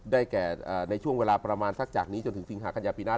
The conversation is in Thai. แก่ในช่วงเวลาประมาณสักจากนี้จนถึงสิงหากัญญาปีหน้า